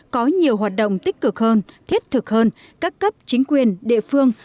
có nhiều hoạt động tích cực hơn thiết thực hơn các cấp chính quyền địa phương